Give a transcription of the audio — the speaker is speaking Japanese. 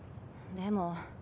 でも。